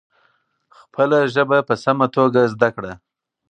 خپله ژبه په سمه توګه زده کړه.